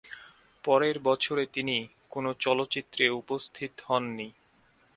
পরের বছরে তিনি কোনো চলচ্চিত্রে উপস্থিত হন নি।